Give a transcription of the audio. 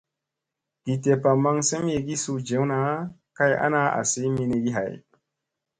Gi deppa maŋ semyegii suu jewna kay ana asi minigi hay.